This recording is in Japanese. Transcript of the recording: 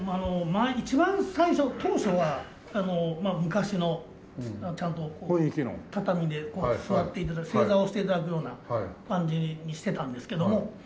一番最初当初は昔のちゃんと畳で座って頂く正座をして頂くような感じにしていたんですけども。